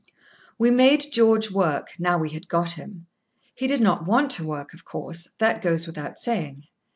We made George work, now we had got him. He did not want to work, of course; that goes without saying.